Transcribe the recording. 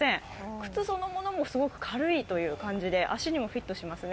靴そのものもすごく軽いという感じで足にもフィットしますね。